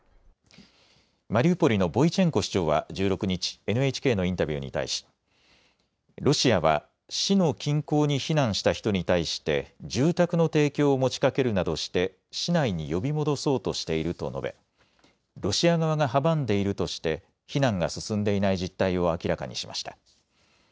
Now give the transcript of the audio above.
マリウポリのボイチェンコ市長は１６日、ＮＨＫのインタビューに対しロシアは市の近郊に避難した人に対して住宅の提供を持ちかけるなどして市内に呼び戻そうとしていると述べロシア側が阻んでいるとして避難が進んでいない実態を明らかにしました。